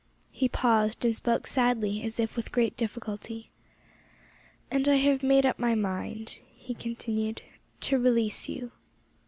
He paused and spoke sadly as if with great difficulty. "And I have made up my mind," he continued, "to release you."